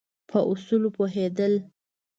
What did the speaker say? په اصولو پوهېدل.